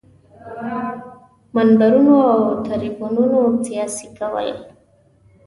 منبرونو او تریبیونونو سیاسي کول.